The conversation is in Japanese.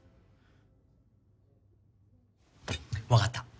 わかった。